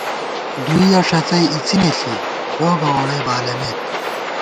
دُویہ ݭڅَئی اِڅِنےݪی ، لوگہ ووڑَئی بالَمېت